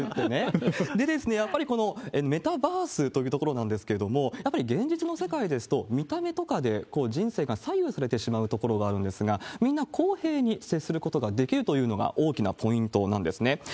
やっぱり、このメタバースというところなんですけれども、やっぱり現実の世界ですと、見た目とかで人生が左右されてしまうところがあるんですが、みんな公平に接することができるというのが大きなポイントなんですね。